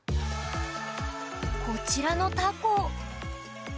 こちらのタコ。